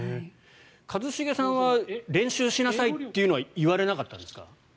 一茂さんは練習しなさいというのは言われなかったんですか？